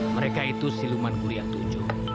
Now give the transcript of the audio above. mereka adalah kelas ketujuh dari gunung lembu